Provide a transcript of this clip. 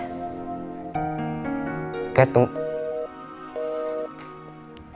kenapa catherine jadi gini